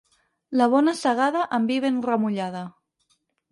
La bona segada, amb vi ben remullada.